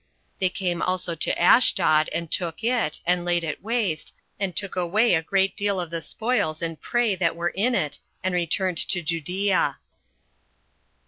They came also to Ashdod, and took it, and laid it waste, and took away a great deal of the spoils and prey that were in it, and returned to Judea.